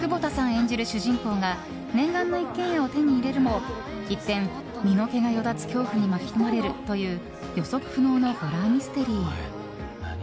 演じる主人公が念願の一軒家を手に入れるも一転、身の毛がよだつ恐怖に巻き込まれるという予測不能のホラーミステリー。